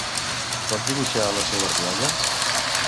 Pot dibuixar la seva rialla?